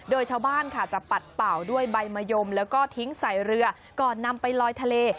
โดยชาวบ้านค่ะจะปัดเป่าด้วยใบมะยมแล้วก็ทิ้งใส่เรือก่อนนำไปลอยทะเล